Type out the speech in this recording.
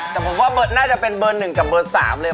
แต่ผมว่าน่าจะเป็นเบอร์๑กับเบอร์๓เลย